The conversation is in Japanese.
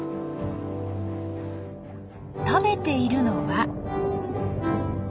食べているのは。